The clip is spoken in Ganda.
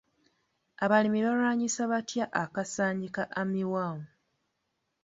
Abalimi balwanyisa batya Akasaanyi ka armyworm?